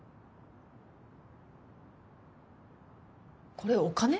これお金？